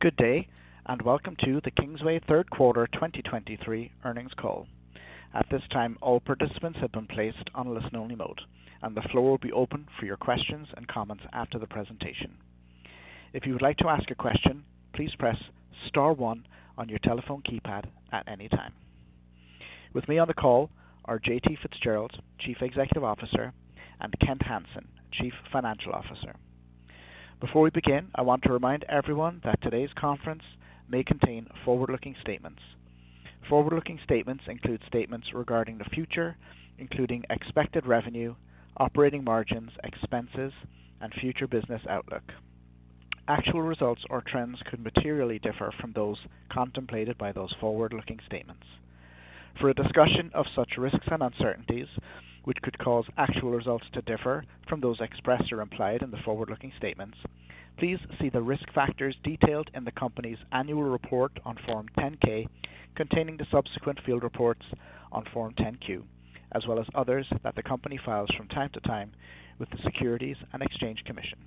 Good day, and welcome to the Kingsway third quarter 2023 earnings call. At this time, all participants have been placed on listen-only mode, and the floor will be open for your questions and comments after the presentation. If you would like to ask a question, please press star one on your telephone keypad at any time. With me on the call are J.T. Fitzgerald, Chief Executive Officer, and Kent Hansen, Chief Financial Officer. Before we begin, I want to remind everyone that today's conference may contain forward-looking statements. Forward-looking statements include statements regarding the future, including expected revenue, operating margins, expenses, and future business outlook. Actual results or trends could materially differ from those contemplated by those forward-looking statements. For a discussion of such risks and uncertainties, which could cause actual results to differ from those expressed or implied in the forward-looking statements, please see the risk factors detailed in the company's annual report on Form 10-K, containing the subsequent filed reports on Form 10-Q, as well as others that the company files from time to time with the Securities and Exchange Commission.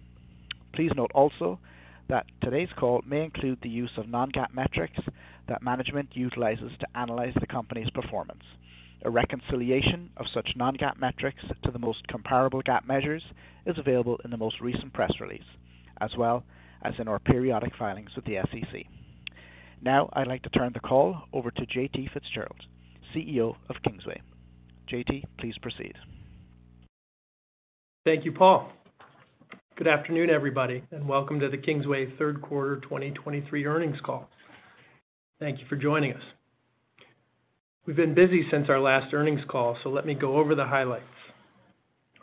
Please note also that today's call may include the use of non-GAAP metrics that management utilizes to analyze the company's performance. A reconciliation of such non-GAAP metrics to the most comparable GAAP measures is available in the most recent press release, as well as in our periodic filings with the SEC. Now, I'd like to turn the call over to J.T. Fitzgerald, CEO of Kingsway. J.T., please proceed. Thank you, Paul. Good afternoon, everybody, and welcome to the Kingsway third quarter 2023 earnings call. Thank you for joining us. We've been busy since our last earnings call, so let me go over the highlights.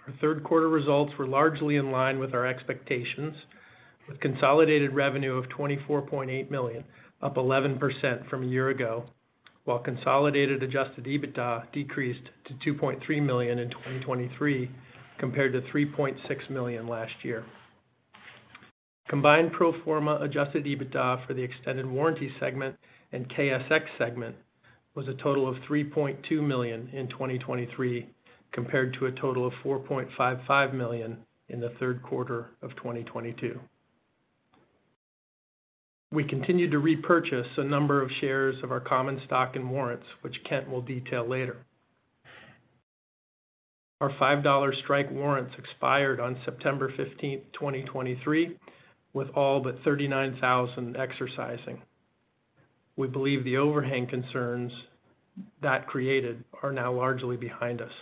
Our third quarter results were largely in line with our expectations, with consolidated revenue of $24.8 million, up 11% from a year ago, while consolidated adjusted EBITDA decreased to $2.3 million in 2023, compared to $3.6 million last year. Combined pro forma adjusted EBITDA for the extended warranty segment and KSX segment was a total of $3.2 million in 2023, compared to a total of $4.55 million in the third quarter of 2022. We continued to repurchase a number of shares of our common stock and warrants, which Kent will detail later. Our $5 strike warrants expired on September 15th, 2023, with all but 39,000 exercising. We believe the overhang concerns that created are now largely behind us.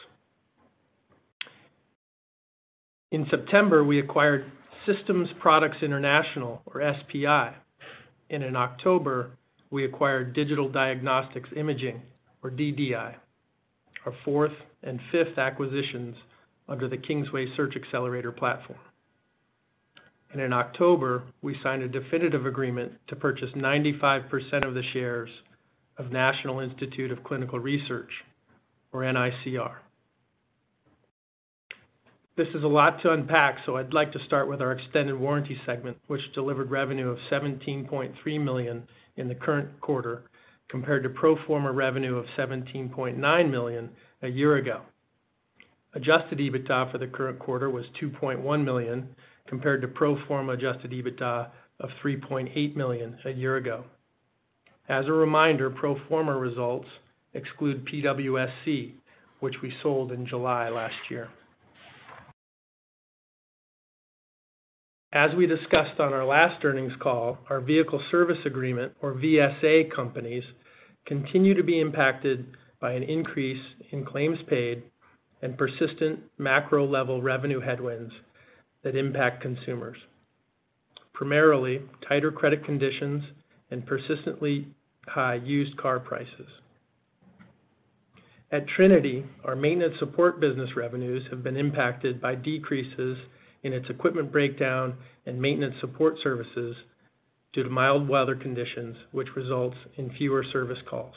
In September, we acquired Systems Products International, or SPI, and in October, we acquired Digital Diagnostics Imaging, or DDI, our fourth and fifth acquisitions under the Kingsway Search axcelerator platform. And in October, we signed a definitive agreement to purchase 95% of the shares of National Institute of Clinical Research, or NICR. This is a lot to unpack, so I'd like to start with our extended warranty segment, which delivered revenue of $17.3 million in the current quarter, compared to pro forma revenue of $17.9 million a year ago. Adjusted EBITDA for the current quarter was $2.1 million, compared to pro forma adjusted EBITDA of $3.8 million a year ago. As a reminder, pro forma results exclude PWSC, which we sold in July last year. As we discussed on our last earnings call, our vehicle service agreement, or VSA companies, continue to be impacted by an increase in claims paid and persistent macro-level revenue headwinds that impact consumers, primarily tighter credit conditions and persistently high used car prices. At Trinity, our maintenance support business revenues have been impacted by decreases in its equipment breakdown and maintenance support services due to mild weather conditions, which results in fewer service calls.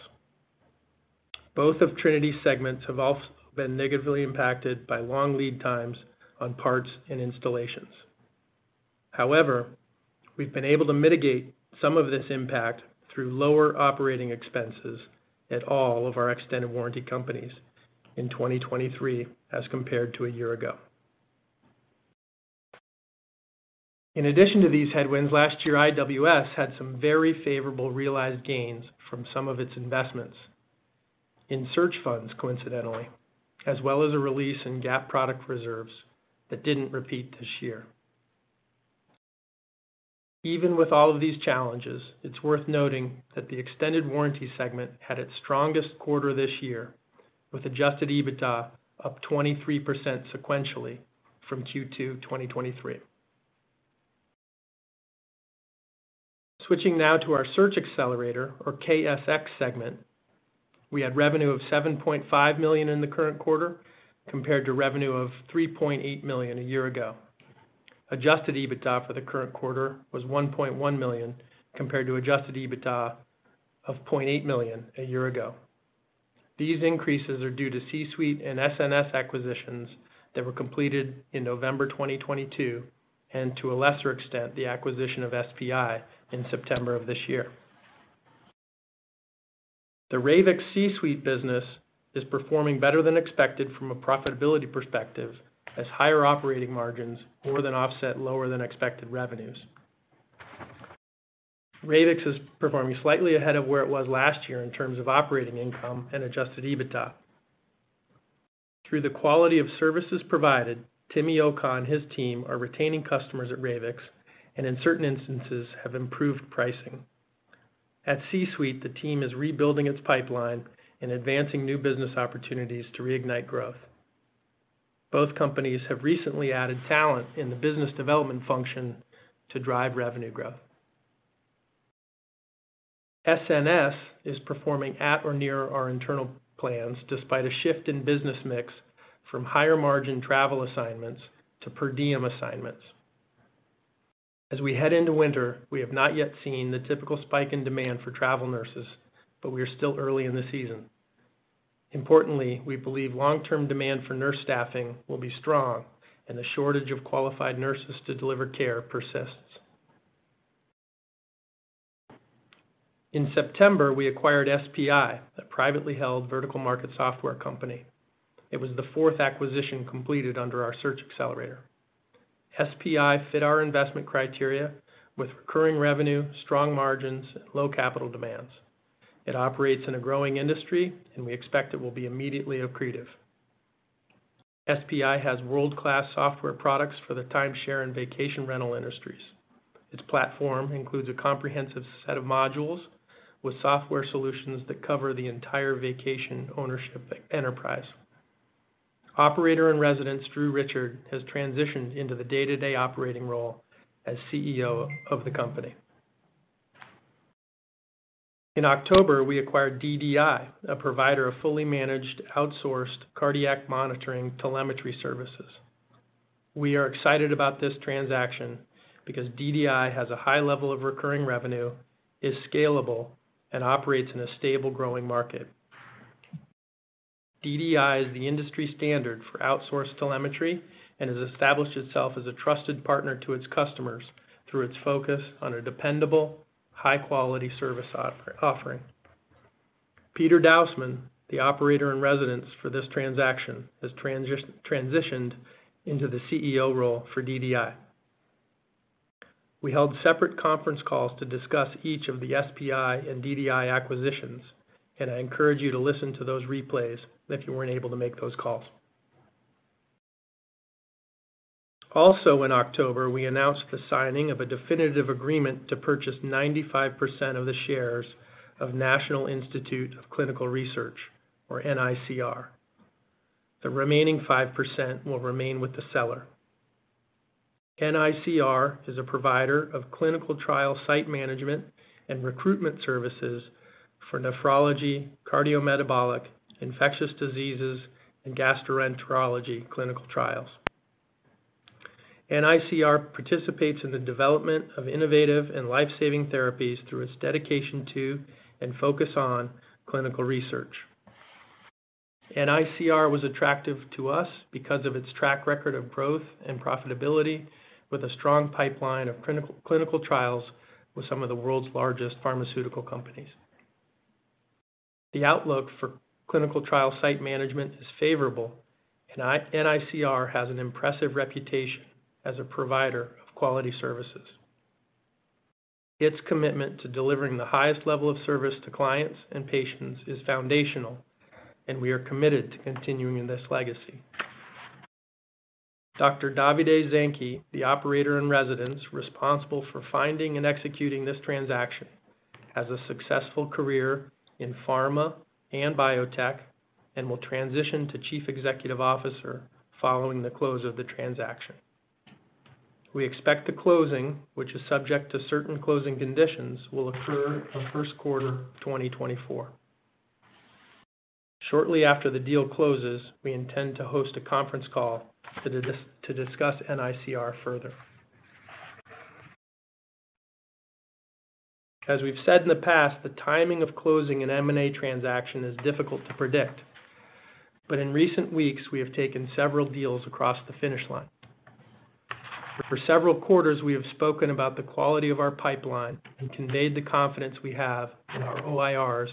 Both of Trinity's segments have also been negatively impacted by long lead times on parts and installations. However, we've been able to mitigate some of this impact through lower operating expenses at all of our extended warranty companies in 2023 as compared to a year ago. In addition to these headwinds, last year, IWS had some very favorable realized gains from some of its investments in search funds, coincidentally, as well as a release in GAAP product reserves that didn't repeat this year. Even with all of these challenges, it's worth noting that the extended warranty segment had its strongest quarter this year, with adjusted EBITDA up 23% sequentially from Q2 2023. Switching now to our search accelerator, or KSX segment, we had revenue of $7.5 million in the current quarter, compared to revenue of $3.8 million a year ago. Adjusted EBITDA for the current quarter was $1.1 million, compared to adjusted EBITDA of $0.8 million a year ago. These increases are due to CSuite and SNS acquisitions that were completed in November 2022, and to a lesser extent, the acquisition of SPI in September of this year. The Ravix CSuite business is performing better than expected from a profitability perspective, as higher operating margins more than offset lower than expected revenues. Ravix is performing slightly ahead of where it was last year in terms of operating income and adjusted EBITDA. Through the quality of services provided, Timi Okah and his team are retaining customers at Ravix, and in certain instances, have improved pricing. At CSuite, the team is rebuilding its pipeline and advancing new business opportunities to reignite growth. Both companies have recently added talent in the business development function to drive revenue growth. SNS is performing at or near our internal plans, despite a shift in business mix from higher margin travel assignments to per diem assignments. As we head into winter, we have not yet seen the typical spike in demand for travel nurses, but we are still early in the season. Importantly, we believe long-term demand for nurse staffing will be strong, and the shortage of qualified nurses to deliver care persists. In September, we acquired SPI, a privately held vertical market software company. It was the fourth acquisition completed under our search accelerator. SPI fit our investment criteria with recurring revenue, strong margins, and low capital demands. It operates in a growing industry, and we expect it will be immediately accretive. SPI has world-class software products for the timeshare and vacation rental industries. Its platform includes a comprehensive set of modules with software solutions that cover the entire vacation ownership enterprise. Operator-in-Residence Drew Richard has transitioned into the day-to-day operating role as CEO of the company. In October, we acquired DDI, a provider of fully managed, outsourced cardiac monitoring telemetry services. We are excited about this transaction because DDI has a high level of recurring revenue, is scalable, and operates in a stable, growing market. DDI is the industry standard for outsourced telemetry and has established itself as a trusted partner to its customers through its focus on a dependable, high-quality service offering. Peter Dausman, the operator-in-residence for this transaction, has transitioned into the CEO role for DDI. We held separate conference calls to discuss each of the SPI and DDI acquisitions, and I encourage you to listen to those replays if you weren't able to make those calls. Also in October, we announced the signing of a definitive agreement to purchase 95% of the shares of National Institute of Clinical Research, or NICR. The remaining 5% will remain with the seller. NICR is a provider of clinical trial site management and recruitment services for nephrology, cardiometabolic, infectious diseases, and gastroenterology clinical trials. NICR participates in the development of innovative and life-saving therapies through its dedication to and focus on clinical research. NICR was attractive to us because of its track record of growth and profitability, with a strong pipeline of clinical trials with some of the world's largest pharmaceutical companies. The outlook for clinical trial site management is favorable, and NICR has an impressive reputation as a provider of quality services. Its commitment to delivering the highest level of service to clients and patients is foundational, and we are committed to continuing in this legacy. Dr. Davide Zanchi, the operator in residence, responsible for finding and executing this transaction, has a successful career in pharma and biotech, and will transition to Chief Executive Officer following the close of the transaction. We expect the closing, which is subject to certain closing conditions, will occur in the first quarter of 2024. Shortly after the deal closes, we intend to host a conference call to discuss NICR further. As we've said in the past, the timing of closing an M&A transaction is difficult to predict, but in recent weeks, we have taken several deals across the finish line. For several quarters, we have spoken about the quality of our pipeline and conveyed the confidence we have in our OIRs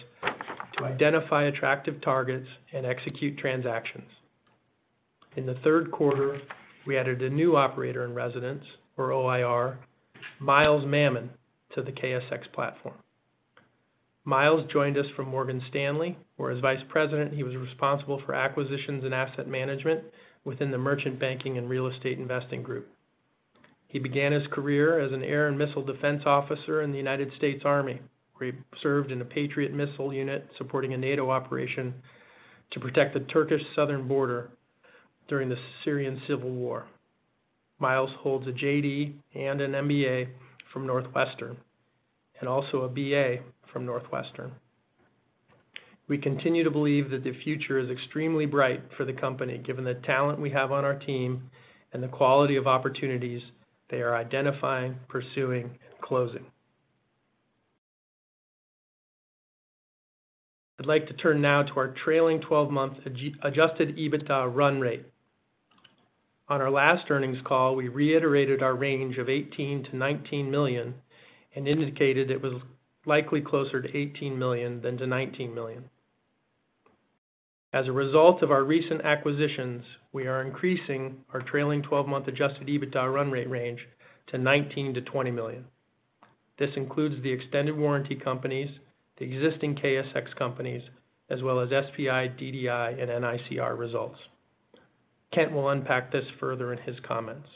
to identify attractive targets and execute transactions. In the third quarter, we added a new operator in residence, or OIR, Miles Mammon, to the KSX platform. Miles joined us from Morgan Stanley, where as Vice President, he was responsible for acquisitions and asset management within the merchant banking and real estate investing group. He began his career as an Air and Missile Defense officer in the United States Army, where he served in a Patriot missile unit supporting a NATO operation to protect the Turkish southern border during the Syrian civil war. Miles holds a JD and an MBA from Northwestern, and also a BA from Northwestern. We continue to believe that the future is extremely bright for the company, given the talent we have on our team and the quality of opportunities they are identifying, pursuing, and closing. I'd like to turn now to our trailing 12-month adjusted EBITDA run rate. On our last earnings call, we reiterated our range of $18 million-$19 million and indicated it was likely closer to $18 million than to $19 million. As a result of our recent acquisitions, we are increasing our trailing 12-month adjusted EBITDA run rate range to $19 million-$20 million. This includes the extended warranty companies, the existing KSX companies, as well as SPI, DDI, and NICR results. Kent will unpack this further in his comments.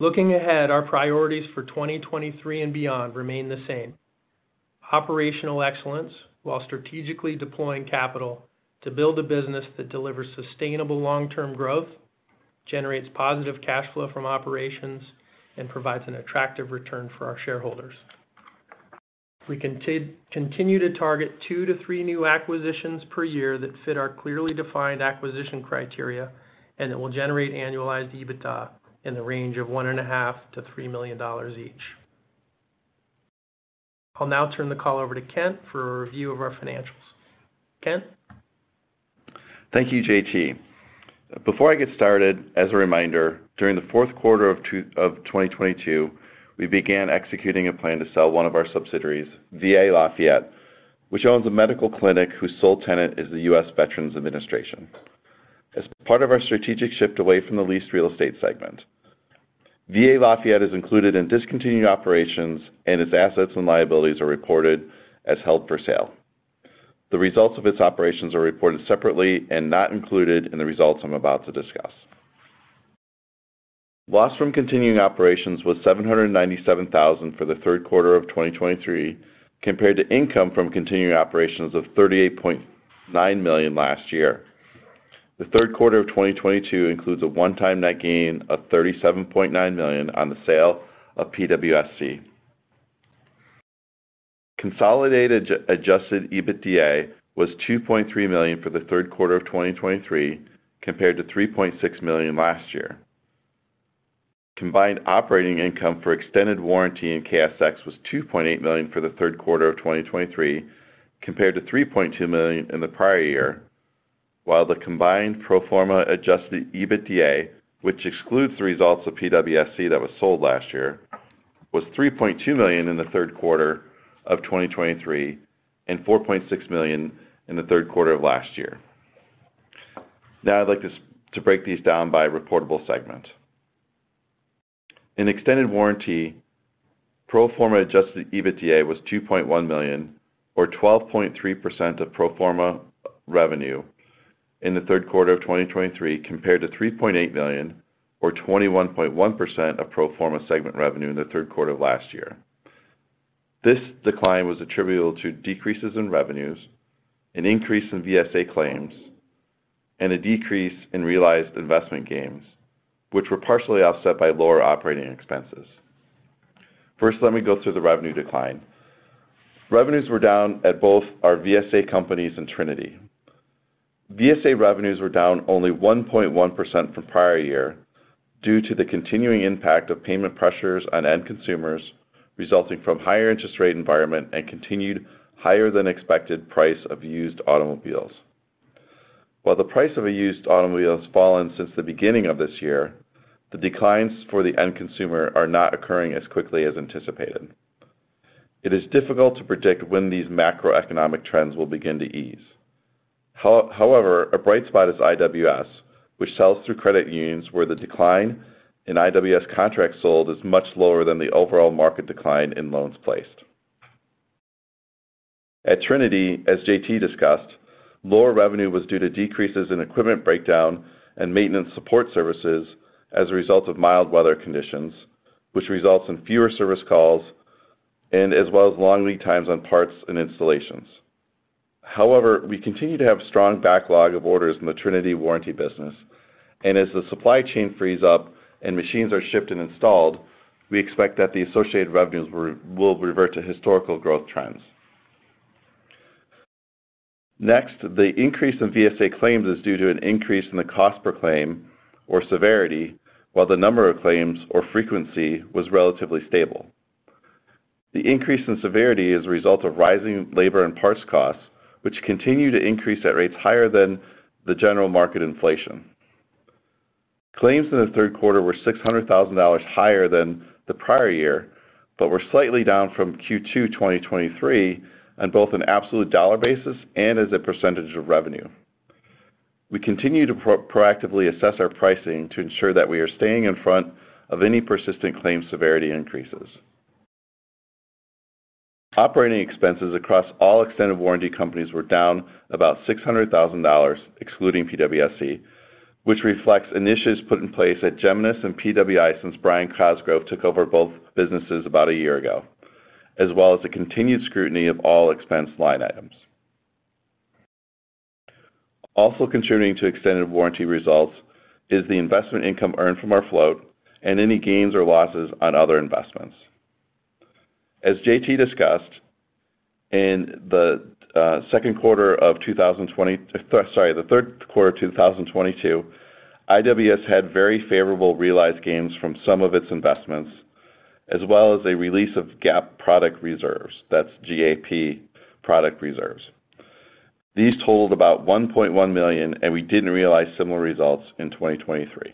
Looking ahead, our priorities for 2023 and beyond remain the same. Operational excellence, while strategically deploying capital to build a business that delivers sustainable long-term growth, generates positive cash flow from operations, and provides an attractive return for our shareholders. We continue to target two-three new acquisitions per year that fit our clearly defined acquisition criteria, and that will generate annualized EBITDA in the range of $1.5 million-$3 million each. I'll now turn the call over to Kent for a review of our financials. Kent? Thank you, J.T. Before I get started, as a reminder, during the fourth quarter of 2022, we began executing a plan to sell one of our subsidiaries, VA Lafayette, which owns a medical clinic whose sole tenant is the U.S. Veterans Administration. As part of our strategic shift away from the leased real estate segment, VA Lafayette is included in discontinued operations, and its assets and liabilities are reported as held for sale. The results of its operations are reported separately and not included in the results I'm about to discuss. Loss from continuing operations was $797,000 for the third quarter of 2023, compared to income from continuing operations of $38.9 million last year. The third quarter of 2022 includes a one-time net gain of $37.9 million on the sale of PWSC. Consolidated adjusted EBITDA was $2.3 million for the third quarter of 2023, compared to $3.6 million last year. Combined operating income for extended warranty in KSX was $2.8 million for the third quarter of 2023, compared to $3.2 million in the prior year. While the combined pro forma adjusted EBITDA, which excludes the results of PWSC that was sold last year, was $3.2 million in the third quarter of 2023 and $4.6 million in the third quarter of last year. Now, I'd like to break these down by reportable segment. In extended warranty, pro forma Adjusted EBITDA was $2.1 million, or 12.3% of pro forma revenue in the third quarter of 2023, compared to $3.8 million, or 21.1% of pro forma segment revenue in the third quarter of last year. This decline was attributable to decreases in revenues, an increase in VSA claims, and a decrease in realized investment gains, which were partially offset by lower operating expenses. First, let me go through the revenue decline. Revenues were down at both our VSA companies and Trinity. VSA revenues were down only 1.1% from prior year due to the continuing impact of payment pressures on end consumers, resulting from higher interest rate environment and continued higher than expected price of used automobiles. While the price of a used automobile has fallen since the beginning of this year, the declines for the end consumer are not occurring as quickly as anticipated. It is difficult to predict when these macroeconomic trends will begin to ease. However, a bright spot is IWS, which sells through credit unions, where the decline in IWS contracts sold is much lower than the overall market decline in loans placed. At Trinity, as J.T. discussed, lower revenue was due to decreases in equipment breakdown and maintenance support services as a result of mild weather conditions, which results in fewer service calls and as well as long lead times on parts and installations. However, we continue to have strong backlog of orders in the Trinity warranty business, and as the supply chain frees up and machines are shipped and installed, we expect that the associated revenues will revert to historical growth trends. Next, the increase in VSA claims is due to an increase in the cost per claim or severity, while the number of claims or frequency was relatively stable. The increase in severity is a result of rising labor and parts costs, which continue to increase at rates higher than the general market inflation. Claims in the third quarter were $600,000 higher than the prior year, but were slightly down from Q2 2023 on both an absolute dollar basis and as a percentage of revenue. We continue to proactively assess our pricing to ensure that we are staying in front of any persistent claims severity increases. Operating expenses across all extended warranty companies were down about $600,000, excluding PWSC, which reflects initiatives put in place at Geminus and PWI since Brian Cosgrove took over both businesses about a year ago, as well as the continued scrutiny of all expense line items. Also contributing to extended warranty results is the investment income earned from our float and any gains or losses on other investments. As J.T. discussed, Sorry, the third quarter of 2022, IWS had very favorable realized gains from some of its investments as well as a release of GAAP product reserves, that's GAAP product reserves. These totaled about $1.1 million, and we didn't realize similar results in 2023.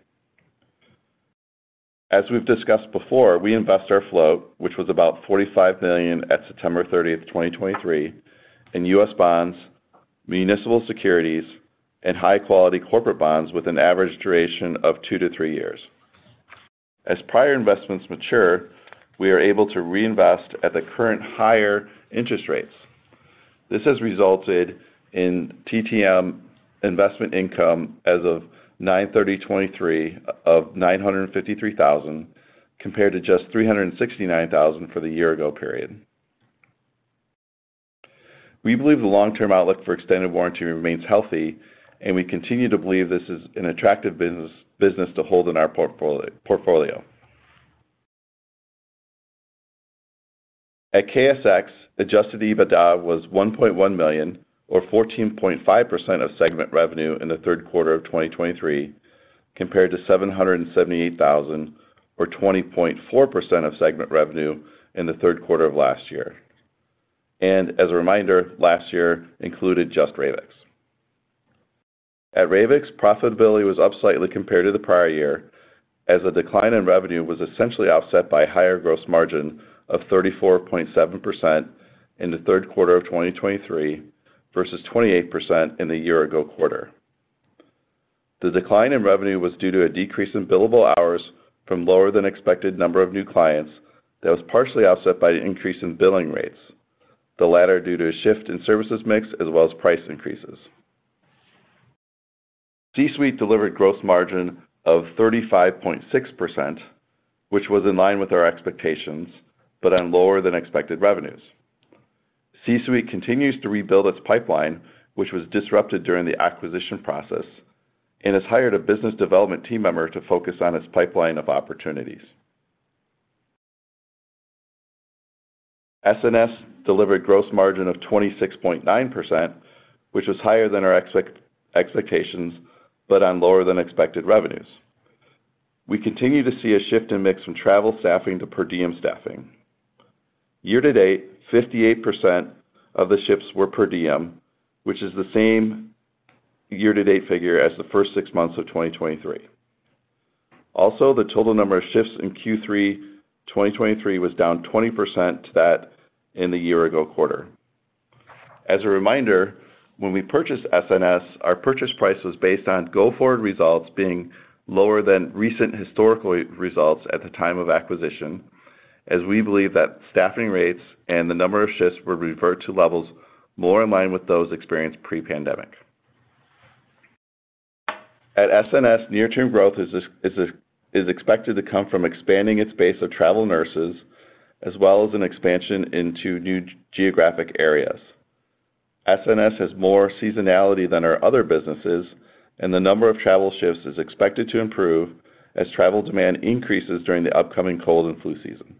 As we've discussed before, we invest our float, which was about $45 million at September 30th, 2023, in U.S. bonds, municipal securities, and high-quality corporate bonds with an average duration of two-three years. As prior investments mature, we are able to reinvest at the current higher interest rates. This has resulted in TTM investment income as of 9/30/2023 of $953,000, compared to just $369,000 for the year ago period. We believe the long-term outlook for extended warranty remains healthy, and we continue to believe this is an attractive business to hold in our portfolio. At KSX, Adjusted EBITDA was $1.1 million or 14.5% of segment revenue in the third quarter of 2023, compared to $778,000 or 20.4% of segment revenue in the third quarter of last year. As a reminder, last year included just Ravix. At Ravix, profitability was up slightly compared to the prior year, as a decline in revenue was essentially offset by higher gross margin of 34.7% in the third quarter of 2023 versus 28% in the year-ago quarter. The decline in revenue was due to a decrease in billable hours from lower than expected number of new clients that was partially offset by an increase in billing rates, the latter due to a shift in services mix as well as price increases. C-Suite delivered gross margin of 35.6%, which was in line with our expectations, but on lower than expected revenues. C-Suite continues to rebuild its pipeline, which was disrupted during the acquisition process, and has hired a business development team member to focus on its pipeline of opportunities. SNS delivered gross margin of 26.9%, which was higher than our expectations, but on lower than expected revenues. We continue to see a shift in mix from travel staffing to per diem staffing. Year to date, 58% of the shifts were per diem, which is the same year-to-date figure as the first six months of 2023. Also, the total number of shifts in Q3 2023 was down 20% to that in the year-ago quarter. As a reminder, when we purchased SNS, our purchase price was based on go forward results being lower than recent historical results at the time of acquisition, as we believe that staffing rates and the number of shifts were reverted to levels more in line with those experienced pre-pandemic. At SNS, near-term growth is expected to come from expanding its base of travel nurses, as well as an expansion into new geographic areas. SNS has more seasonality than our other businesses, and the number of travel shifts is expected to improve as travel demand increases during the upcoming cold and flu season.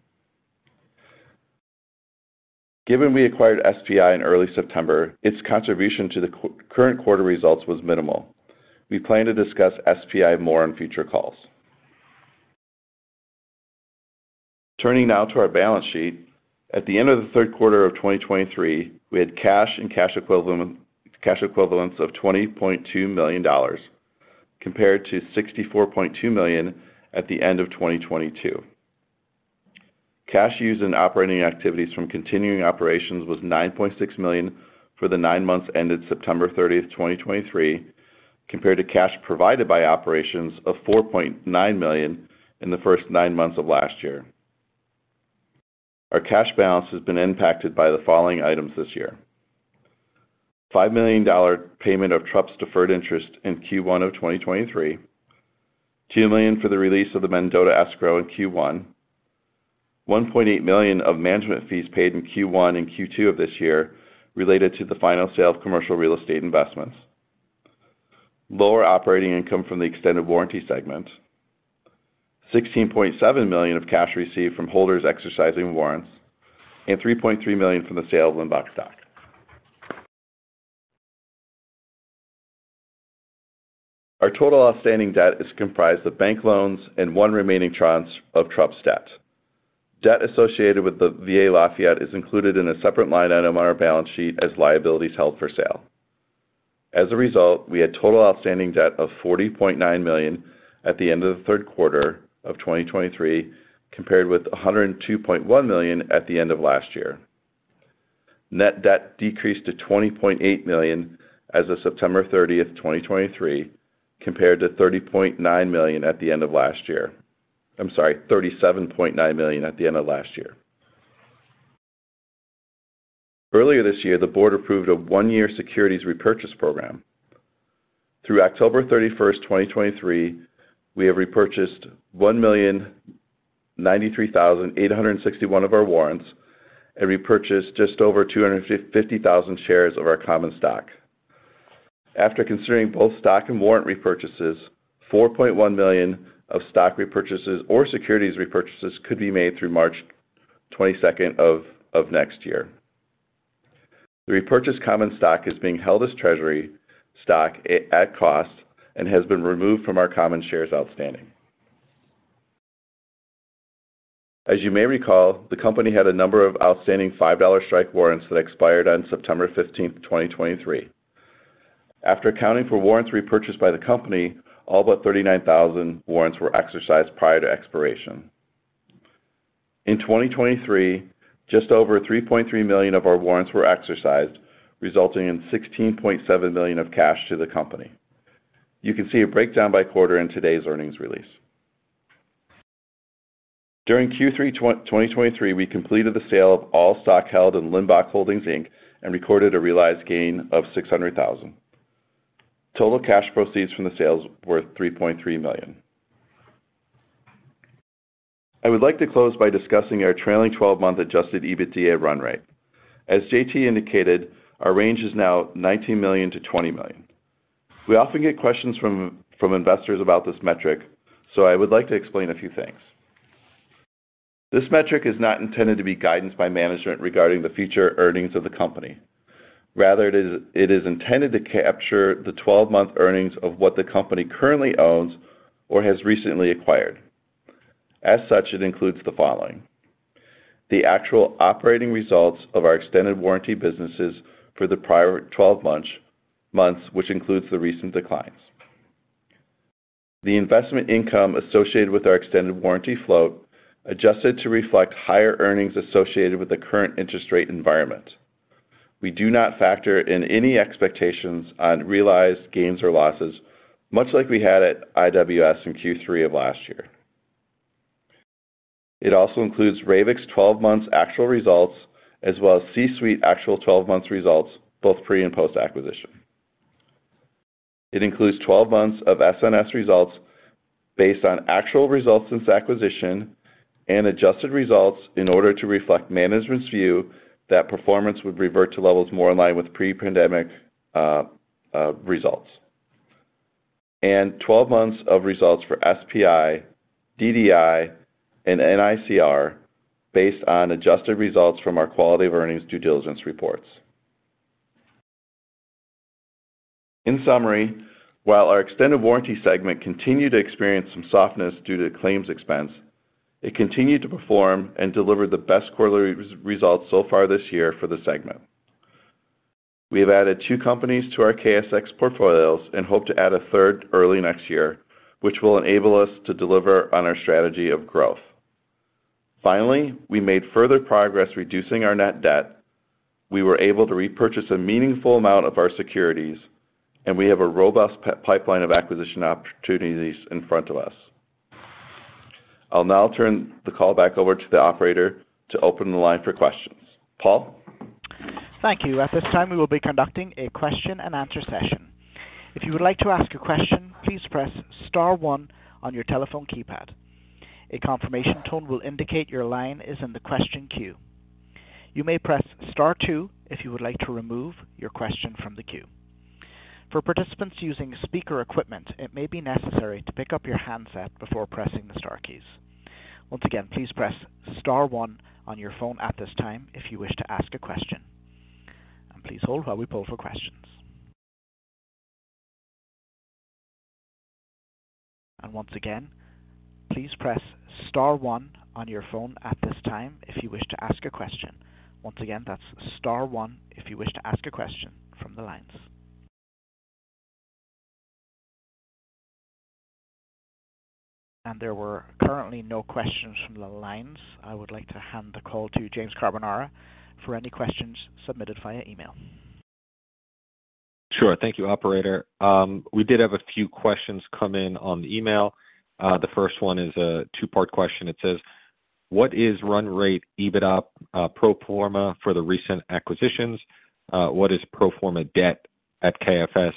Given we acquired SPI in early September, its contribution to the current quarter results was minimal. We plan to discuss SPI more on future calls. Turning now to our balance sheet. At the end of the third quarter of 2023, we had cash and cash equivalents of $20.2 million, compared to $64.2 million at the end of 2022. Cash used in operating activities from continuing operations was $9.6 million for the nine months ended September 30, 2023, compared to cash provided by operations of $4.9 million in the first nine months of last year. Our cash balance has been impacted by the following items this year: $5 million payment of TRUPs' deferred interest in Q1 of 2023, $2 million for the release of the Mendota escrow in Q1, $1.8 million of management fees paid in Q1 and Q2 of this year related to the final sale of commercial real estate investments, lower operating income from the extended warranty segment, $16.7 million of cash received from holders exercising warrants, and $3.3 million from the sale of Limbach stock. Our total outstanding debt is comprised of bank loans and one remaining tranche of TRUPs' debt. Debt associated with the VA Lafayette is included in a separate line item on our balance sheet as liabilities held for sale. As a result, we had total outstanding debt of $40.9 million at the end of the third quarter of 2023, compared with $102.1 million at the end of last year. Net debt decreased to $20.8 million as of September 30th, 2023, compared to $30.9 million at the end of last year. I'm sorry, $37.9 million at the end of last year. Earlier this year, the board approved a one-year securities repurchase program. Through October 31st, 2023, we have repurchased 1,093,861 of our warrants and repurchased just over 250,000 shares of our common stock. After considering both stock and warrant repurchases, $4.1 million of stock repurchases or securities repurchases could be made through March 22nd of next year.... The repurchased common stock is being held as treasury stock at cost and has been removed from our common shares outstanding. As you may recall, the company had a number of outstanding $5 strike warrants that expired on September 15th, 2023. After accounting for warrants repurchased by the company, all but 39,000 warrants were exercised prior to expiration. In 2023, just over 3.3 million of our warrants were exercised, resulting in $16.7 million of cash to the company. You can see a breakdown by quarter in today's earnings release. During Q3 2023, we completed the sale of all stock held in Limbach Holdings, Inc. and recorded a realized gain of $600,000. Total cash proceeds from the sales were $3.3 million. I would like to close by discussing our trailing 12-month Adjusted EBITDA run rate. As J.T. indicated, our range is now $19 million-$20 million. We often get questions from investors about this metric, so I would like to explain a few things. This metric is not intended to be guidance by management regarding the future earnings of the company. Rather, it is intended to capture the 12-month earnings of what the company currently owns or has recently acquired. As such, it includes the following: the actual operating results of our extended warranty businesses for the prior 12 months, which includes the recent declines. The investment income associated with our extended warranty float, adjusted to reflect higher earnings associated with the current interest rate environment. We do not factor in any expectations on realized gains or losses, much like we had at IWS in Q3 of last year. It also includes Ravix 12 months actual results, as well as CSuite actual 12 months results, both pre- and post-acquisition. It includes 12 months of SNS results based on actual results since acquisition and adjusted results in order to reflect management's view that performance would revert to levels more in line with pre-pandemic results. 12 months of results for SPI, DDI, and NICR, based on adjusted results from our quality of earnings due diligence reports. In summary, while our extended warranty segment continued to experience some softness due to claims expense, it continued to perform and deliver the best quarterly results so far this year for the segment. We have added two companies to our KSX portfolios and hope to add a third early next year, which will enable us to deliver on our strategy of growth. Finally, we made further progress reducing our net debt. We were able to repurchase a meaningful amount of our securities, and we have a robust pipeline of acquisition opportunities in front of us. I'll now turn the call back over to the operator to open the line for questions. Paul? Thank you. At this time, we will be conducting a question and answer session. If you would like to ask a question, please press star one on your telephone keypad. A confirmation tone will indicate your line is in the question queue. You may press star two if you would like to remove your question from the queue. For participants using speaker equipment, it may be necessary to pick up your handset before pressing the star keys. Once again, please press star one on your phone at this time if you wish to ask a question. Please hold while we poll for questions. Once again, please press star one on your phone at this time if you wish to ask a question. Once again, that's star one if you wish to ask a question from the lines. There are currently no questions from the lines. I would like to hand the call to James Carbonara for any questions submitted via email. Sure. Thank you, operator. We did have a few questions come in on email. The first one is a two-part question. It says: What is run rate EBITDA, pro forma for the recent acquisitions? What is pro forma debt at KFS?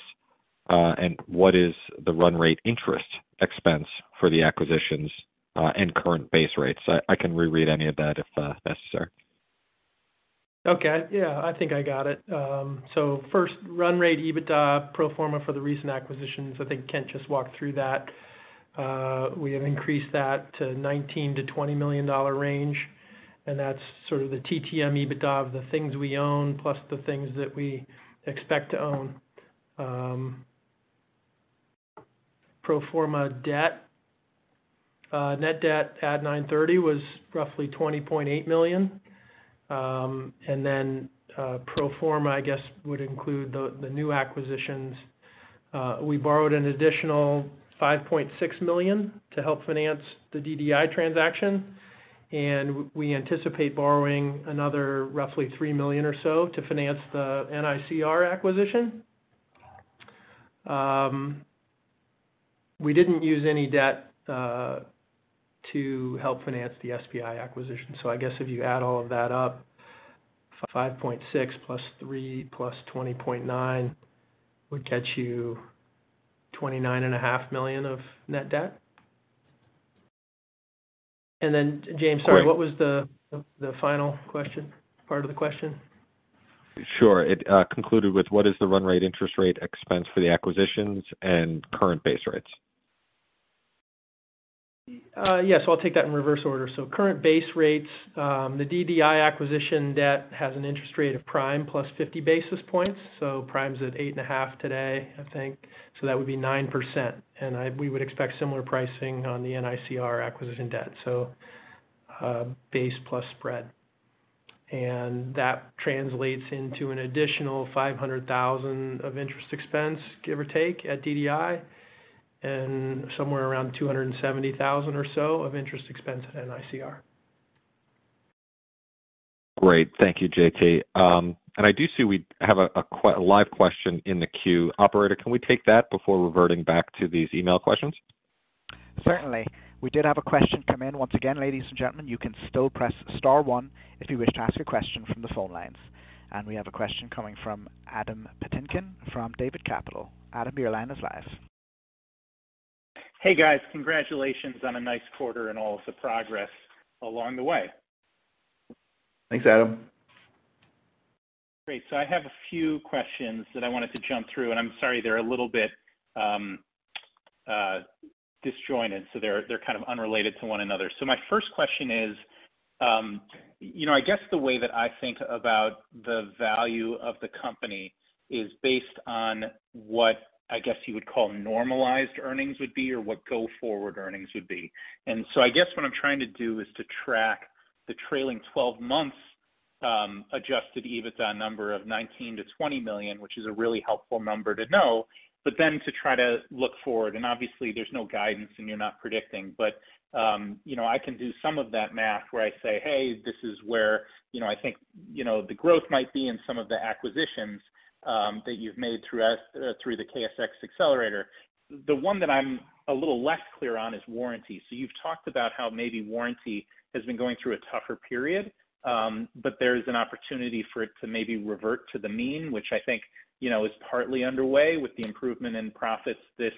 And what is the run rate interest expense for the acquisitions, and current base rates? I can reread any of that if necessary. Okay. Yeah, I think I got it. So first, run rate EBITDA pro forma for the recent acquisitions. I think Kent just walked through that. We have increased that to $19 million-$20 million range, and that's sort of the TTM EBITDA of the things we own, plus the things that we expect to own. Pro forma debt. Net debt at nine thirty was roughly $20.8 million. And then, pro forma, I guess, would include the new acquisitions. We borrowed an additional $5.6 million to help finance the DDI transaction, and we anticipate borrowing another roughly $3 million or so to finance the NICR acquisition. We didn't use any debt to help finance the SPI acquisition. So I guess if you add all of that up, $5.6 million + $3 million + $20.9 million would get you $29.5 million of net debt. And then, James, sorry, what was the final question, part of the question? Sure. It concluded with what is the run rate interest rate expense for the acquisitions and current base rates?... Yes, I'll take that in reverse order. So current base rates, the DDI acquisition debt has an interest rate of prime +50 basis points. So prime's at 8.5 today, I think, so that would be 9%, and we would expect similar pricing on the NICR acquisition debt, so base plus spread. And that translates into an additional $500,000 of interest expense, give or take, at DDI, and somewhere around $270,000 or so of interest expense at NICR. Great. Thank you, J.T. And I do see we have a live question in the queue. Operator, can we take that before reverting back to these email questions? Certainly. We did have a question come in. Once again, ladies and gentlemen, you can still press star one if you wish to ask a question from the phone lines. We have a question coming from Adam Patinkin from David Capital. Adam, your line is live. Hey, guys. Congratulations on a nice quarter and all of the progress along the way. Thanks, Adam. Great. So I have a few questions that I wanted to jump through, and I'm sorry, they're a little bit disjointed, so they're, they're kind of unrelated to one another. So my first question is, you know, I guess the way that I think about the value of the company is based on what I guess you would call normalized earnings would be or what go-forward earnings would be. And so I guess what I'm trying to do is to track the trailing 12 months adjusted EBITDA number of $19 million-$20 million, which is a really helpful number to know, but then to try to look forward, and obviously there's no guidance and you're not predicting. But, you know, I can do some of that math where I say, "Hey, this is where, you know, I think, you know, the growth might be in some of the acquisitions that you've made through the KSX accelerator." The one that I'm a little less clear on is warranty. So you've talked about how maybe warranty has been going through a tougher period, but there's an opportunity for it to maybe revert to the mean, which I think, you know, is partly underway with the improvement in profits this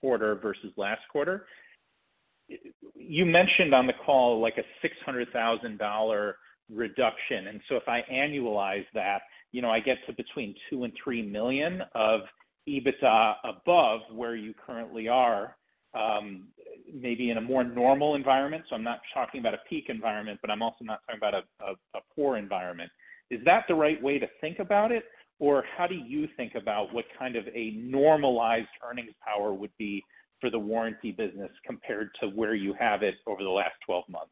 quarter versus last quarter. You mentioned on the call like a $600,000 reduction, and so if I annualize that, you know, I get to between $2 million and $3 million of EBITDA above where you currently are, maybe in a more normal environment. So I'm not talking about a peak environment, but I'm also not talking about a poor environment. Is that the right way to think about it? Or how do you think about what kind of a normalized earnings power would be for the warranty business compared to where you have it over the last 12 months?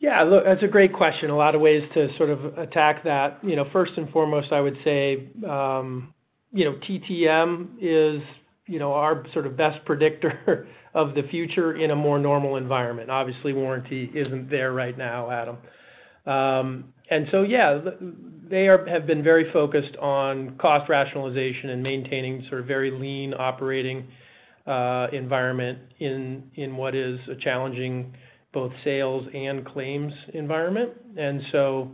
Yeah, look, that's a great question. A lot of ways to sort of attack that. You know, first and foremost, I would say, you know, TTM is, you know, our sort of best predictor of the future in a more normal environment. Obviously, warranty isn't there right now, Adam. And so, yeah, they are, have been very focused on cost rationalization and maintaining sort of very lean operating environment in, in what is a challenging, both sales and claims environment. And so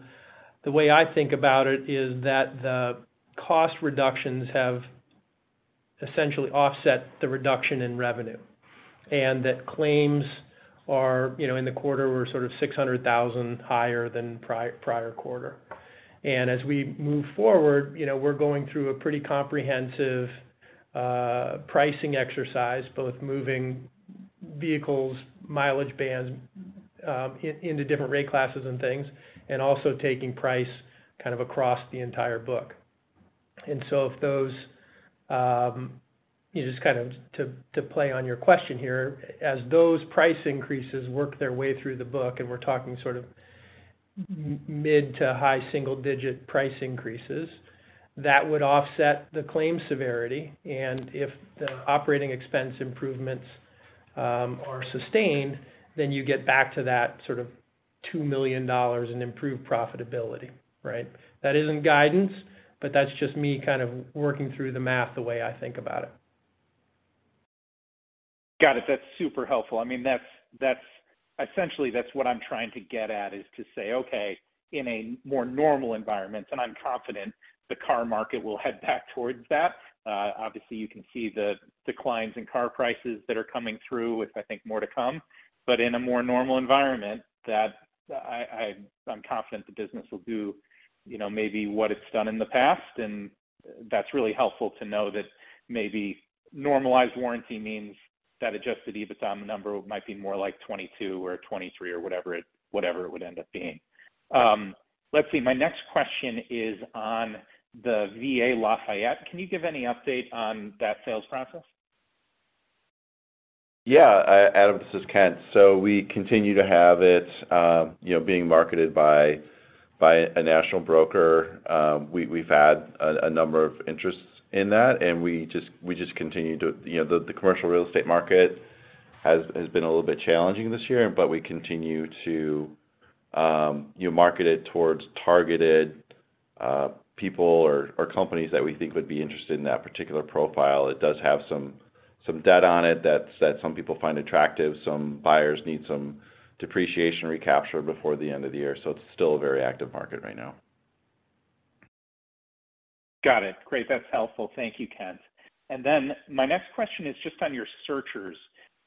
the way I think about it is that the cost reductions have essentially offset the reduction in revenue, and that claims are, you know, in the quarter were sort of $600,000 higher than prior quarter. As we move forward, you know, we're going through a pretty comprehensive pricing exercise, both moving vehicles, mileage bands, into different rate classes and things, and also taking price kind of across the entire book. So if those, you just kind of, to play on your question here, as those price increases work their way through the book, and we're talking sort of mid- to high-single-digit price increases, that would offset the claim severity. If the operating expense improvements are sustained, then you get back to that sort of $2 million in improved profitability, right? That isn't guidance, but that's just me kind of working through the math the way I think about it. Got it. That's super helpful. I mean, that's, that's essentially, that's what I'm trying to get at, is to say, okay, in a more normal environment, and I'm confident the car market will head back towards that. Obviously, you can see the declines in car prices that are coming through, with, I think, more to come. But in a more normal environment, that I, I, I'm confident the business will do, you know, maybe what it's done in the past, and that's really helpful to know that maybe normalized warranty means that Adjusted EBITDA number might be more like $22 or $23 or whatever it, whatever it would end up being. Let's see. My next question is on the VA Lafayette. Can you give any update on that sales process? Yeah. Adam, this is Kent. So we continue to have it, you know, being marketed by a national broker. We’ve had a number of interests in that, and we just continue to. You know, the commercial real estate market has been a little bit challenging this year, but we continue to, you know, market it towards targeted people or companies that we think would be interested in that particular profile. It does have some debt on it that some people find attractive. Some buyers need some depreciation recapture before the end of the year, so it’s still a very active market right now. Got it. Great. That's helpful. Thank you, Kent. And then my next question is just on your searchers.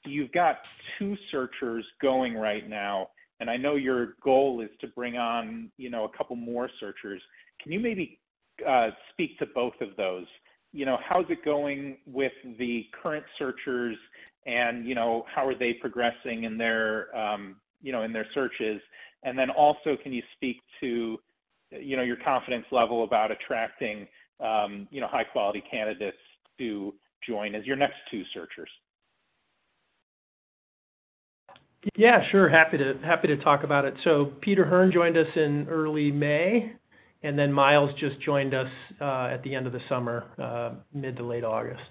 You've got two searchers going right now, and I know your goal is to bring on, you know, a couple more searchers. Can you speak to both of those. You know, how's it going with the current searchers and, you know, how are they progressing in their, you know, in their searches? And then also, can you speak to, you know, your confidence level about attracting, you know, high-quality candidates to join as your next two searchers? Yeah, sure. Happy to, happy to talk about it. So Peter Hearn joined us in early May, and then Miles just joined us at the end of the summer, mid to late August.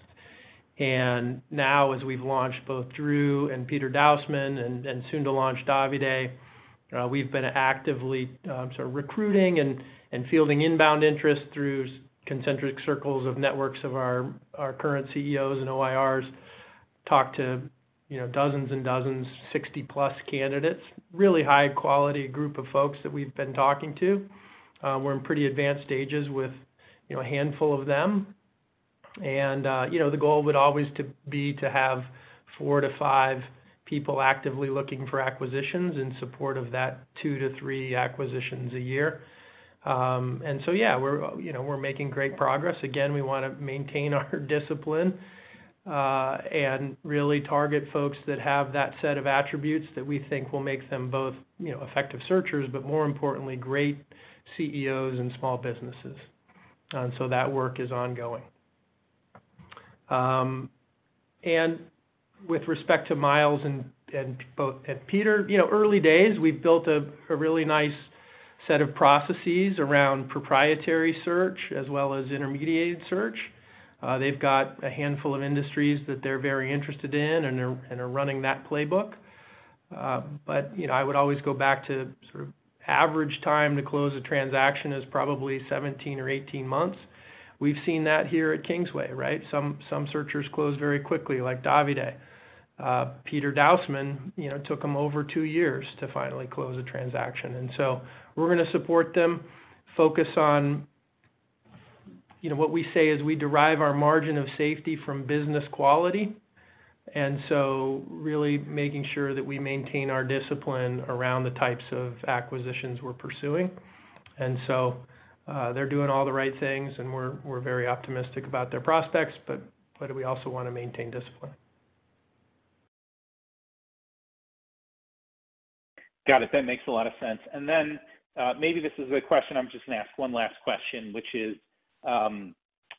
And now, as we've launched both Drew and Peter Dausman, and soon to launch Davide, we've been actively sort of recruiting and fielding inbound interest through concentric circles of networks of our current CEOs and OIRs. Talked to, you know, dozens and dozens, 60+ candidates, really high-quality group of folks that we've been talking to. We're in pretty advanced stages with, you know, a handful of them. And, you know, the goal would always to be to have four-five people actively looking for acquisitions in support of that two-three acquisitions a year. And so, yeah, we're, you know, we're making great progress. Again, we want to maintain our discipline and really target folks that have that set of attributes that we think will make them both, you know, effective searchers, but more importantly, great CEOs in small businesses. And so that work is ongoing. And with respect to Miles and Peter, you know, early days, we've built a really nice set of processes around proprietary search as well as intermediated search. They've got a handful of industries that they're very interested in, and are running that playbook. But, you know, I would always go back to sort of average time to close a transaction is probably 17 or 18 months. We've seen that here at Kingsway, right? Some searchers close very quickly, like Davide. Peter Dausman, you know, took him over two years to finally close a transaction. So we're gonna support them, focus on... You know, what we say is we derive our margin of safety from business quality, and so really making sure that we maintain our discipline around the types of acquisitions we're pursuing. So, they're doing all the right things, and we're very optimistic about their prospects, but we also want to maintain discipline. Got it. That makes a lot of sense. And then, maybe this is a question I'm just going to ask one last question, which is,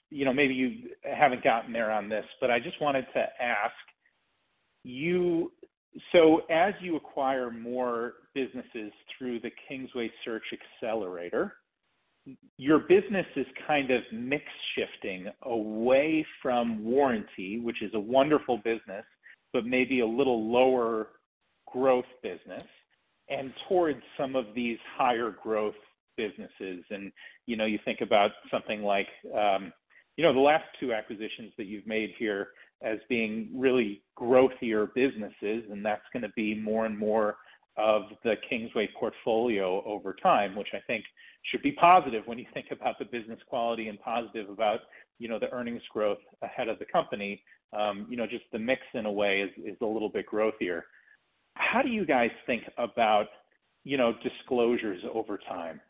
you know, maybe you haven't gotten there on this, but I just wanted to ask: You-- So as you acquire more businesses through the Kingsway Search Xcelerator, your business is kind of mix shifting away from warranty, which is a wonderful business, but maybe a little lower growth business, and towards some of these higher growth businesses. And, you know, you think about something like, you know, the last two acquisitions that you've made here as being really growthier businesses, and that's gonna be more and more of the Kingsway portfolio over time, which I think should be positive when you think about the business quality and positive about, you know, the earnings growth ahead of the company. You know, just the mix in a way is, is a little bit growthier. How do you guys think about, you know, disclosures over time?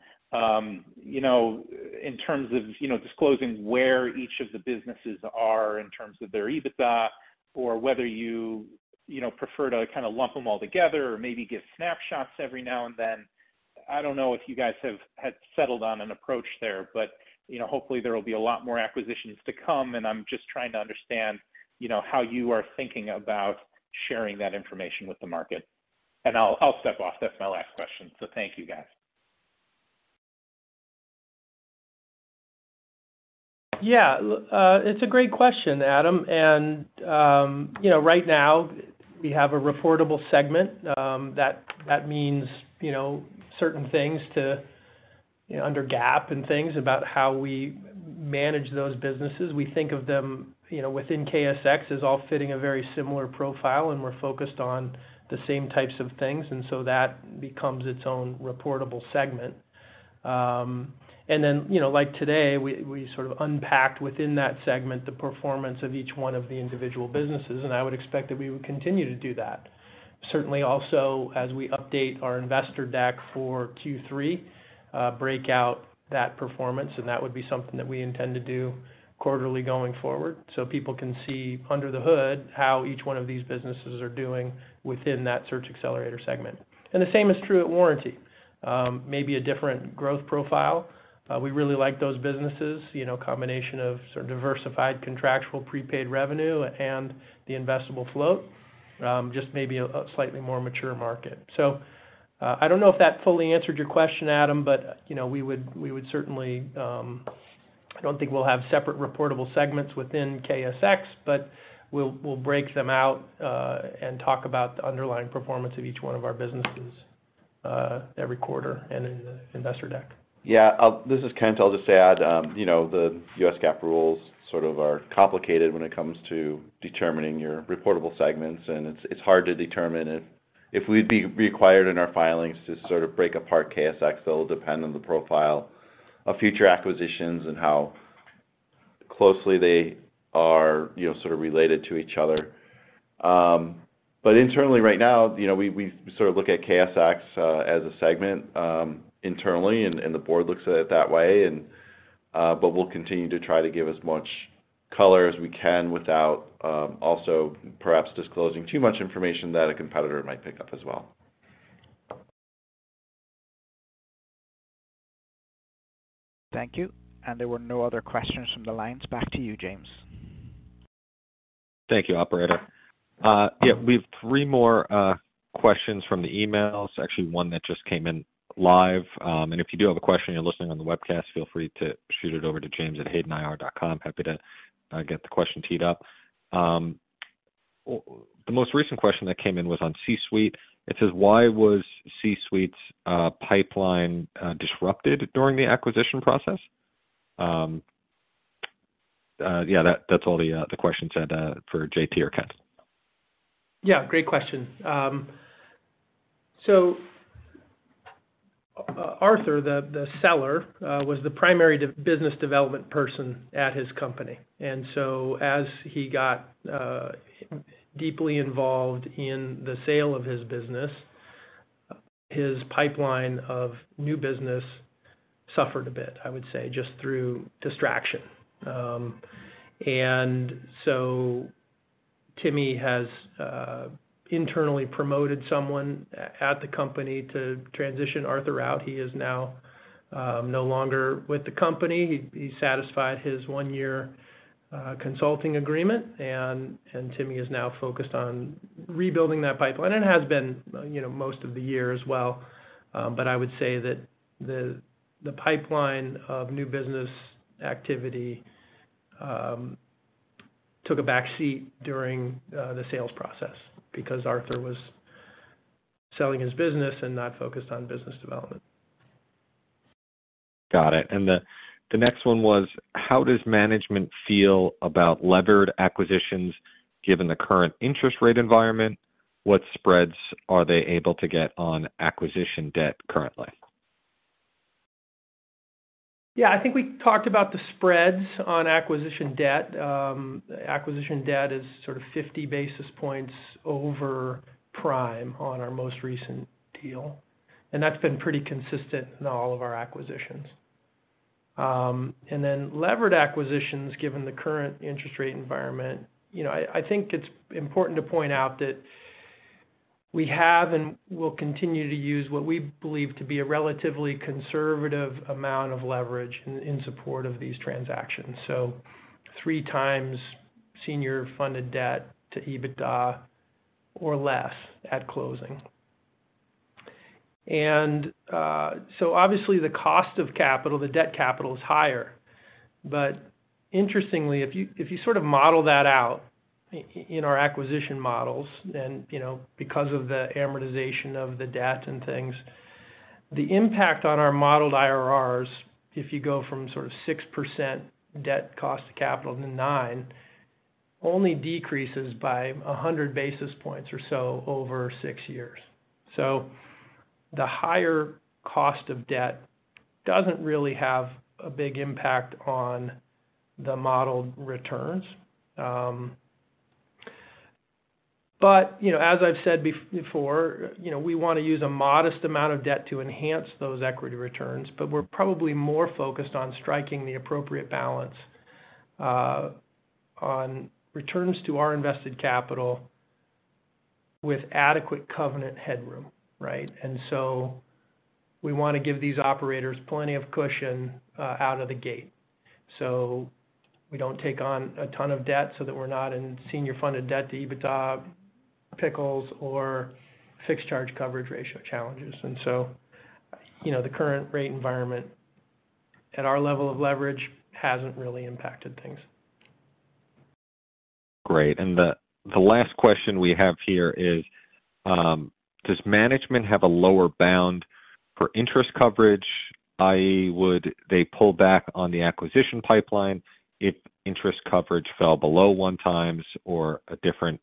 You know, in terms of, you know, disclosing where each of the businesses are in terms of their EBITDA, or whether you, you know, prefer to kind of lump them all together or maybe give snapshots every now and then. I don't know if you guys have settled on an approach there, but, you know, hopefully, there will be a lot more acquisitions to come, and I'm just trying to understand, you know, how you are thinking about sharing that information with the market. And I'll step off. That's my last question. So thank you, guys. Yeah, it's a great question, Adam. And, you know, right now, we have a reportable segment, that, that means, you know, certain things to, you know, under GAAP and things about how we manage those businesses. We think of them, you know, within KSX as all fitting a very similar profile, and we're focused on the same types of things, and so that becomes its own reportable segment. And then, you know, like today, we, we sort of unpacked within that segment, the performance of each one of the individual businesses, and I would expect that we would continue to do that. Certainly, also, as we update our investor deck for Q3, break out that performance, and that would be something that we intend to do quarterly going forward. So people can see under the hood how each one of these businesses are doing within that search accelerator segment. And the same is true at Warranty. Maybe a different growth profile. We really like those businesses, you know, combination of sort of diversified contractual prepaid revenue and the investable float, just maybe a slightly more mature market. So, I don't know if that fully answered your question, Adam, but, you know, we would, we would certainly... I don't think we'll have separate reportable segments within KSX, but we'll, we'll break them out, and talk about the underlying performance of each one of our businesses, every quarter and in the investor deck. Yeah, I'll— This is Kent. I'll just add, you know, the U.S. GAAP rules sort of are complicated when it comes to determining your reportable segments, and it's hard to determine if we'd be required in our filings to sort of break apart KSX. That will depend on the profile of future acquisitions and how-... closely they are, you know, sort of related to each other. But internally, right now, you know, we sort of look at KSX as a segment internally, and the board looks at it that way. But we'll continue to try to give as much color as we can without also perhaps disclosing too much information that a competitor might pick up as well. Thank you. There were no other questions from the lines. Back to you, James. Thank you, operator. Yeah, we've three more questions from the emails, actually, one that just came in live. And if you do have a question, you're listening on the webcast, feel free to shoot it over to james@haydenir.com. Happy to get the question teed up. The most recent question that came in was on C-Suite. It says, "Why was C-Suite's pipeline disrupted during the acquisition process?" Yeah, that's all the question said, for J.T. or Kent. Yeah, great question. So, Arthur, the seller, was the primary business development person at his company. And so as he got deeply involved in the sale of his business, his pipeline of new business suffered a bit, I would say, just through distraction. And so Timi has internally promoted someone at the company to transition Arthur out. He is now no longer with the company. He satisfied his one-year consulting agreement, and Timi is now focused on rebuilding that pipeline. And has been, you know, most of the year as well. But I would say that the pipeline of new business activity took a back seat during the sales process because Arthur was selling his business and not focused on business development. Got it. And the next one was: How does management feel about levered acquisitions, given the current interest rate environment? What spreads are they able to get on acquisition debt currently? Yeah, I think we talked about the spreads on acquisition debt. Acquisition debt is sort of 50 basis points over prime on our most recent deal, and that's been pretty consistent in all of our acquisitions. And then levered acquisitions, given the current interest rate environment, you know, I think it's important to point out that we have and will continue to use what we believe to be a relatively conservative amount of leverage in support of these transactions. So 3x Senior Funded Debt to EBITDA or less at closing. So obviously, the cost of capital, the debt capital, is higher. But interestingly, if you, if you sort of model that out in our acquisition models, then, you know, because of the amortization of the debt and things, the impact on our modeled IRRs, if you go from sort of 6% debt cost to capital to 9%, only decreases by 100 basis points or so over six years. So the higher cost of debt doesn't really have a big impact on the modeled returns. But, you know, as I've said before, you know, we wanna use a modest amount of debt to enhance those equity returns, but we're probably more focused on striking the appropriate balance, on returns to our invested capital with adequate covenant headroom, right? And so we wanna give these operators plenty of cushion, out of the gate. We don't take on a ton of debt so that we're not in Senior Funded Debt to EBITDA pickles or Fixed Charge Coverage Ratio challenges. So, you know, the current rate environment at our level of leverage hasn't really impacted things. Great. The last question we have here is: Does management have a lower bound for interest coverage, i.e., would they pull back on the acquisition pipeline if interest coverage fell below 1x or a different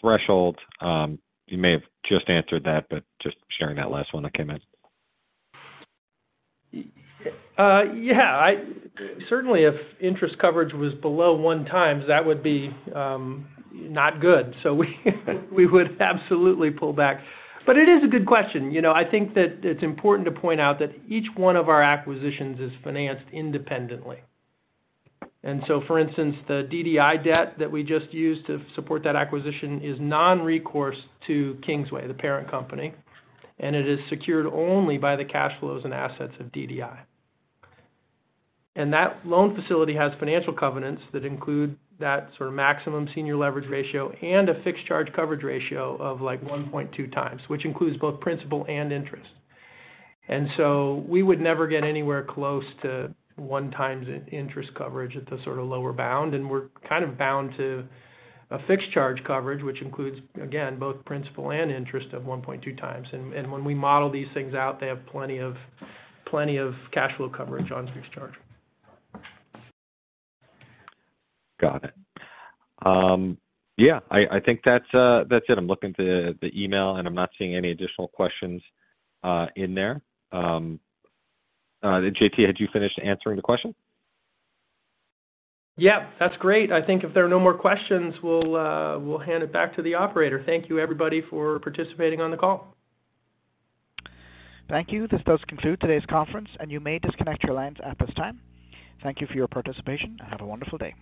threshold? You may have just answered that, but just sharing that last one that came in. Yeah, I certainly, if interest coverage was below 1x, that would be not good. So we would absolutely pull back. But it is a good question. You know, I think that it's important to point out that each one of our acquisitions is financed independently. And so, for instance, the DDI debt that we just used to support that acquisition is non-recourse to Kingsway, the parent company, and it is secured only by the cash flows and assets of DDI. And that loan facility has financial covenants that include that sort of maximum senior leverage ratio and a fixed charge coverage ratio of, like, 1.2x, which includes both principal and interest. And so we would never get anywhere close to 1x interest coverage at the sort of lower bound, and we're kind of bound to a fixed charge coverage, which includes, again, both principal and interest of 1.2x. And when we model these things out, they have plenty of, plenty of cash flow coverage on fixed charge. Got it. Yeah, I think that's it. I'm looking to the email, and I'm not seeing any additional questions in there. J.T., had you finished answering the question? Yeah. That's great. I think if there are no more questions, we'll, we'll hand it back to the operator. Thank you, everybody, for participating on the call. Thank you. This does conclude today's conference, and you may disconnect your lines at this time. Thank you for your participation, and have a wonderful day.